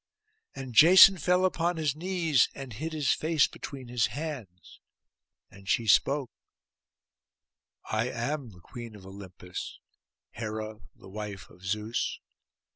And Jason fell upon his knees, and hid his face between his hands. And she spoke, 'I am the Queen of Olympus, Hera the wife of Zeus.